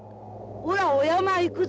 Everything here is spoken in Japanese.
おらお山へ行くぞ。